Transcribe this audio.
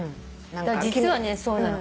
実はそうなの。